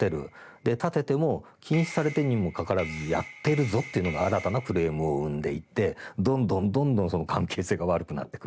で立てても禁止されてるにもかかわらずやってるぞというのが新たなクレームを生んでいってどんどんどんどんその関係性が悪くなってくる。